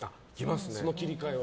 その切り替えは。